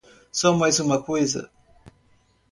Só mais uma coisa.